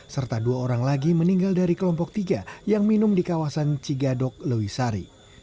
serta dua orang lagi meninggal dari kelompok tiga yang minum di kawasan cigadok lewisari